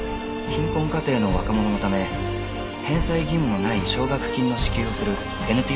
貧困家庭の若者のため返済義務のない奨学金の支給をするＮＰＯです。